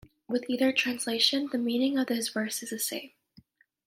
With either translation the meaning of this verse is the same.